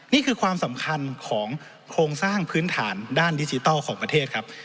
นี่คือความสำคัญของโครงสร้างพื้นฐานด้านดิจิทัลของประเทศครับ